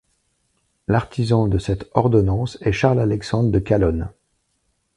L'artisan de cette ordonnance est Charles-Alexandre de Calonne.